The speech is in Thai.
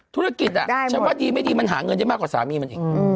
ธุรกิจฉันว่าดีไม่ดีมันหาเงินได้มากกว่าสามีมันอีก